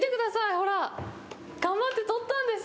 ほら。頑張ってとったんです。